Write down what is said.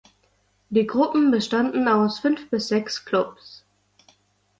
Die Gruppen bestanden aus fünf bis sechs Klubs.